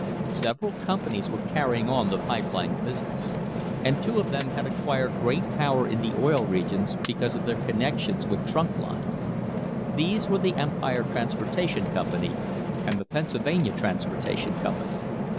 Several companies were carrying on the pipe line business, and two of them had acquired great power in the Oil Regions because of their connection with trunk lines. These were the Empire Transportation Company and the Pennsylvania Transportation Company.